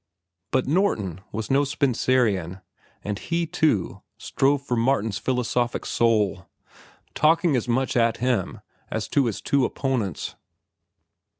But Norton was no Spencerian, and he, too, strove for Martin's philosophic soul, talking as much at him as to his two opponents.